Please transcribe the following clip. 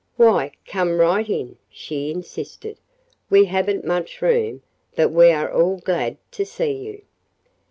"Why, come right in," she insisted. "We haven't much room, but we are all glad to see you."